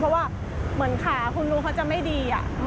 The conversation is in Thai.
เพราะว่าเหมือนขาคุณลุงเขาจะไม่ดี